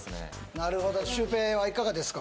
なるほどシュウペイはいかがですか？